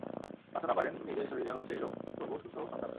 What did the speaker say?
প্রার্থনা করেন, নিজের শরীরে হোক সেই রোগ, তবু সুস্থ হোক সন্তান।